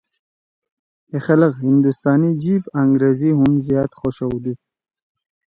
ہے خلگ ہندوستانی جیِب أنگریزی ہُم زیاد خوشَؤدُود